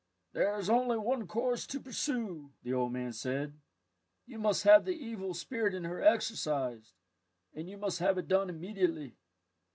"There is only one course to pursue," the old man said, "you must have the evil spirit in her exorcized, and you must have it done immediately.